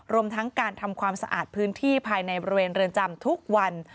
รวมทั้งการทำความสะอาดพื้นที่ภายในบริเวณเรือนจำทุกวัน